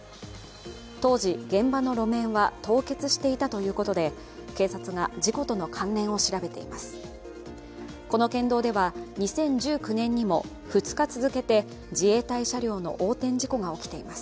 当時、現場の路面は凍結していたということで警察が事故との関連を調べています。